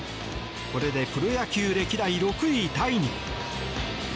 これでプロ野球歴代６位タイに。